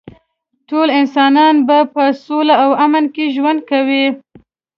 ټول انسانان به په سوله او امن کې ژوند کوي